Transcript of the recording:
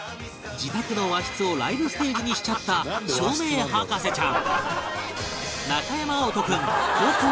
自宅の和室をライブステージにしちゃった照明博士ちゃん